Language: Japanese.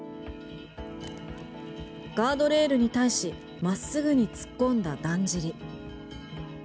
ガードレールに対し真っすぐに突っ込んだだんじり。